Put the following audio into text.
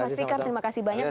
pak spikar terima kasih banyak